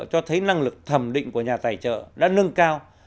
cho thấy năng lực thẩm định của nhà tài trợ đã nâng cao